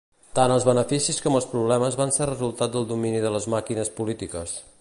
Tant els beneficis com els problemes van ser resultat del domini de les màquines polítiques.